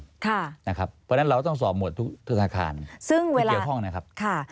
เพราะฉะนั้นเราต้องสอบหมดทุกธนาคาร